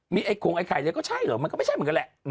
มีไอ้โครงไอ้ไข่เลยก็ใช่เหรอมันก็ไม่ใช่เหมือนกันแหละ